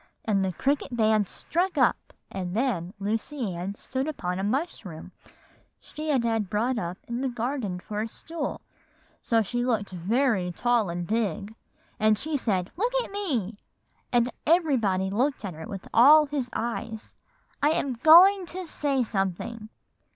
"And the cricket band struck up; and then Lucy Ann stood upon a mushroom she had had brought up in the garden for a stool, so she looked very tall and big, and she said, 'Look at me,' and everybody looked at her with all his eyes; 'I am going to say something.